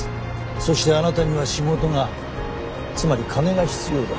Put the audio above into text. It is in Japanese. そしてあなたには仕事がつまり金が必要だ。